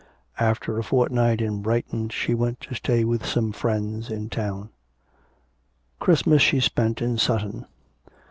After a fortnight in Brighton she went to stay with some friends in town. Christmas she spent in Sutton.